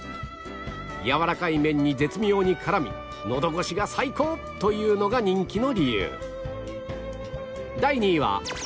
やわらかい麺に絶妙に絡みのど越しが最高というのが人気の理由